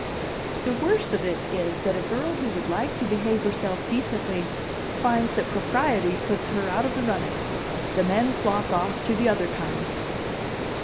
"The worst of it is that a girl who would like to behave herself decently finds that propriety puts her out of the running. The men flock off to the other kind."